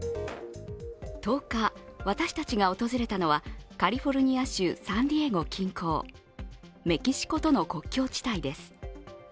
１０日、私たちが訪れたのはカリフォルニア州サンディエゴ近郊メキシコとの国境地帯です。